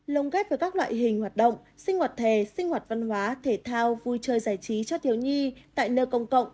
lông ghép với các loại hình hoạt động sinh hoạt thề sinh hoạt văn hóa thể thao vui chơi giải trí cho thiếu nhi tại nơi cộng cộng khu dân cư